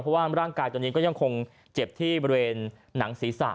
เพราะว่าร่างกายตอนนี้ก็ยังคงเจ็บที่บริเวณหนังศีรษะ